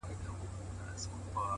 نظم د لاسته راوړنو لاره هواروي!